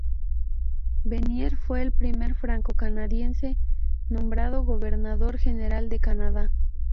Vanier fue el primer franco-canadiense nombrado Gobernador General de Canadá.